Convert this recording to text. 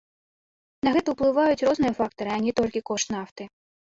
На гэта ўплываюць розныя фактары, а не толькі кошт нафты.